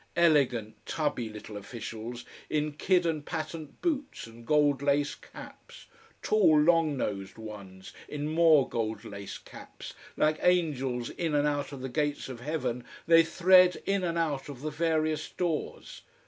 Elegant tubby little officials in kid and patent boots and gold laced caps, tall long nosed ones in more gold laced caps, like angels in and out of the gates of heaven they thread in and out of the various doors.